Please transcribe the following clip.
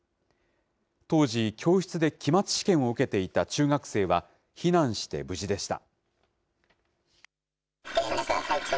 当時、教室で期末試験を受けていた中学生は、避難して無事でした。